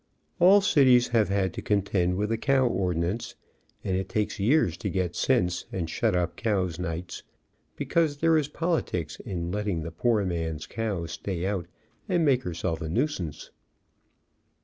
All cities have had to contend with the cow ordinance, and it takes years to get sense and shut up cows nights, because there is politics in letting* the poor man's cow stay out and make herself a nuisance.